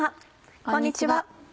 こんにちは。